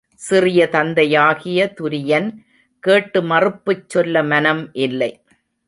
சிறிய தந்தையாகிய துரியன் கேட்டு மறுப்புச் சொல்ல மனம் இல்லை.